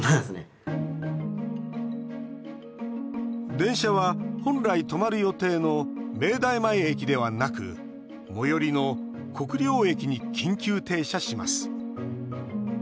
電車は、本来止まる予定の明大前駅ではなく最寄りの国領駅に緊急停車します。